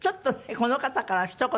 この方からひと言。